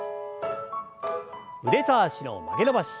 腕と脚の曲げ伸ばし。